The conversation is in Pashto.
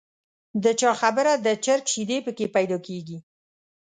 د چا خبره د چرګ شیدې په کې پیدا کېږي.